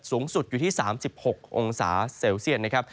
สูงสุดอยู่ที่๓๖องศาเซลเซียตนะครับ